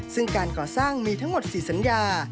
ซึ่งการก่อสร้างมีทั้งหมด๔สัญญา